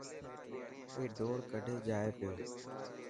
اي ڊوڙ ڪڍي جائي پيو.